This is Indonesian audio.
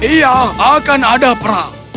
iya akan ada perang